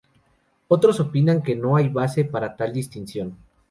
Otros opinan que no hay base para tal distinción.